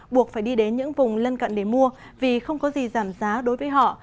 buộc phải đi đến những vùng lân cận để mua vì không có gì giảm giá đối với họ